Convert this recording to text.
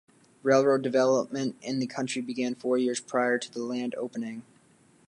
Railroad development in the county began four years prior to the land opening.